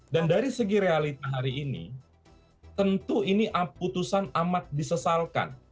dan dari segi realita hari ini tentu ini putusan amat disesalkan